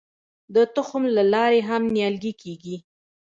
د تخم له لارې هم نیالګي کیږي.